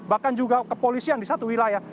bahkan juga kepolisian di satu wilayah